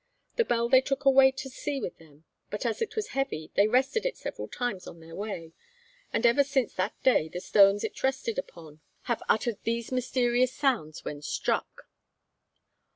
The bell they took away to sea with them, but as it was heavy they rested it several times on their way, and ever since that day the stones it rested upon have uttered these mysterious sounds when struck.